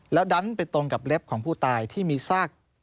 แล้วดันไปตรงกับเล็บของผู้ตายที่มีซาก